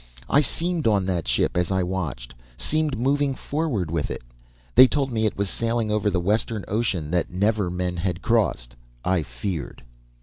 I seemed on that ship as I watched, seemed moving forward with it. They told me it was sailing over the western ocean that never men had crossed. I feared!